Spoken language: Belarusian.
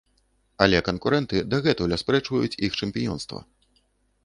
Але канкурэнты дагэтуль аспрэчваюць іх чэмпіёнства.